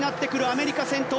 アメリカ、戦闘。